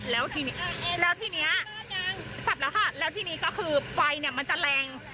แล้วที่นี้แล้วที่นี้ก็คือไฟเนี่ยมันจะแรง